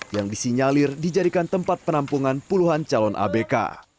yang disinyalir dijadikan tempat penampungan puluhan calon abk